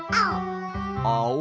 あお！